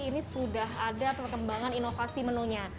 ini sudah ada perkembangan inovasi menunya